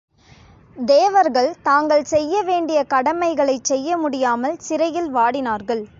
தேவர்கள் தாங்கள் செய்ய வேண்டிய கடமைகளைச் செய்ய முடியாமல் சிறையில் வாடினார்கள்.